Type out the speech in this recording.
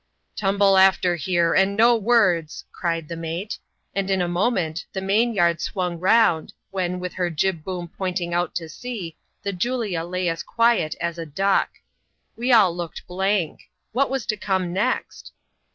" Tumble after here, and no words !" cried the mate; and in a moment the main yard swung round, when, with her jib boom pointing out to sea, the Julia lay as quiet as a duck. We all looked blank — what was to come next?